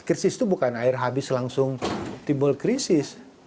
krisis itu bukan air habis langsung timbul krisis